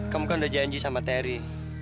kamu kan udah janji sama terry